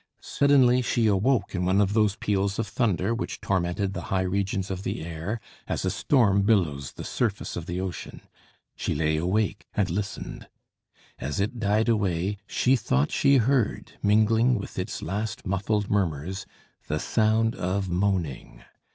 Suddenly she awoke in one of those peals of thunder which tormented the high regions of the air, as a storm billows the surface of the ocean. She lay awake and listened. As it died away, she thought she heard, mingling with its last muffled murmurs, the sound of moaning.